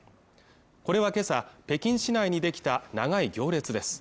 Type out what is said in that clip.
これは今朝北京市内にできた長い行列です